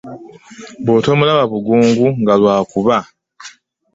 Bw'otomulaba bugungu nga lw'akuba .